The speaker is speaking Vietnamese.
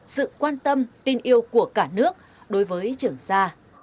sự quan tâm tin yêu của cả nước đối với trường sa